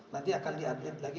nanti akan di update lagi